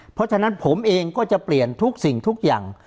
เพราะฉะนั้นผมเองก็จะเปลี่ยนทุกสิ่งทุกอย่าง